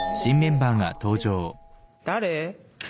誰？